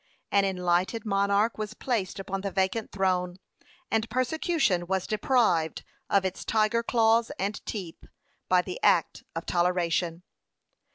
An enlightened monarch was placed upon the vacant throne, and persecution was deprived of its tiger claws and teeth by the act of toleration.